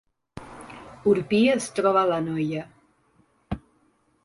Orpí es troba a l’Anoia